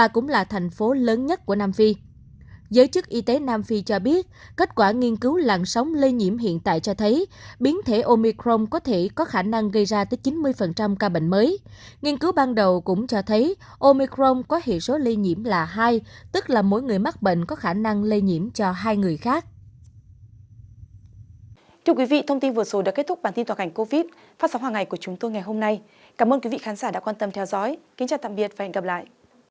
cảm ơn quý vị khán giả đã quan tâm theo dõi kính chào tạm biệt và hẹn gặp lại